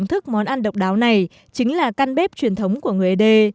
thức món ăn độc đáo này chính là căn bếp truyền thống của người ế đê